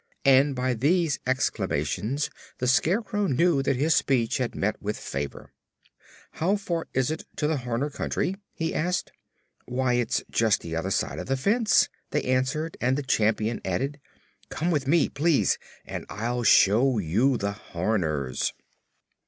and by these exclamations the Scarecrow knew that his speech had met with favor. "How far is it to the Horner Country?" he asked. "Why, it's just the other side of the fence," they answered, and the Champion added: "Come with me, please, and I'll show you the Horners."